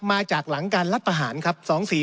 มาจากหลังการรัฐประหารครับ